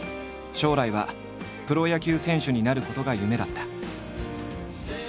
将来はプロ野球選手になることが夢だった。